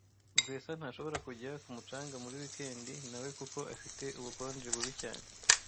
Rwesa ntashobora kujya ku mucanga muri wikendi nawe kuko afite ubukonje bubi cyane